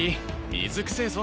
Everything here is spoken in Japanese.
水くせえぞ